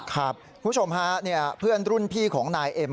คุณผู้ชมฮะเพื่อนรุ่นพี่ของนายเอ็ม